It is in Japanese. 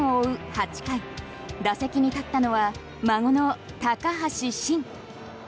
８回打席に立ったのは孫の高橋慎。